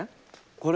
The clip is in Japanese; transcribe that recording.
これ！